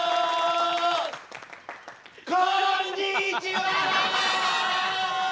こんにちは！